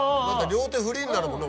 両手フリーになるもんね